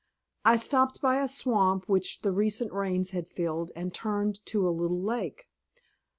I stopped by a swamp which the recent rains had filled and turned to a little lake.